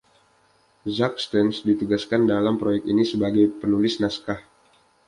Zack Stentz ditugaskan dalam proyek ini sebagai penulis naskah.